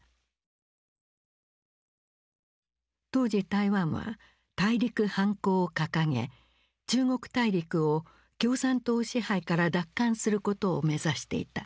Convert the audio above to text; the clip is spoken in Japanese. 当時台湾は「大陸反攻」を掲げ中国大陸を共産党支配から奪還することを目指していた。